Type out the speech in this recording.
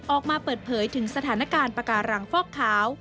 ออกมาเปิดเผยถึงสถานการณ์ปากการังฟอกขาว